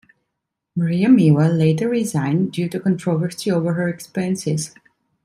Maria Miller later resigned due to controversy over her expenses.